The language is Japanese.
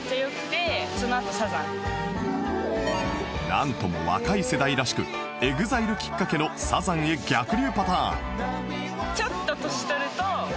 なんとも若い世代らしく ＥＸＩＬＥ きっかけのサザンへ逆流パターン